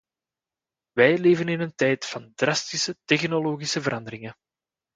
Wij leven in een tijd van drastische technologische veranderingen.